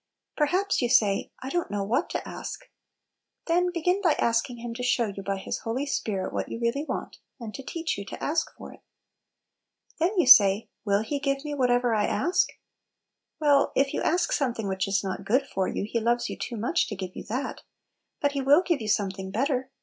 Perhaps you say, "I don't know what to ask." Then begin by asking Him to show you by His Holy Spirit what you really want, and to teach you to ask for it. Then you say, "Will He give me whatever I ask?" Well, if you ask something which is not good for you, He loves you too much to give you that! but He will give you something better.